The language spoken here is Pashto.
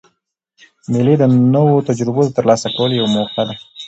مېلې د نوو تجربو د ترلاسه کولو یوه موقع يي.